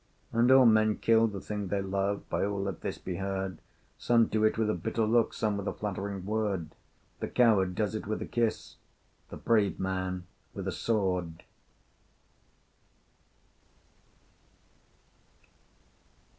And all men kill the thing they love, By all let this be heard, Some do it with a bitter look, Some with a flattering word, The coward does it with a kiss, The brave man with a sword!